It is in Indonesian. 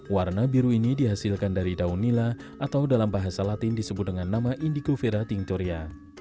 warna biru ini dihasilkan dari daun nila atau dalam bahasa latin disebut dengan nama indico vera tingtoria